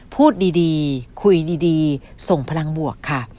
พูดดีคุยดีส่งพลังบวกค่ะ